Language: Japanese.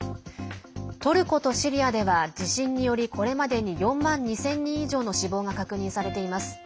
トルコとシリアでは地震によりこれまでに４万２０００人以上の死亡が確認されています。